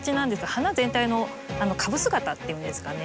花全体の株姿っていうんですかね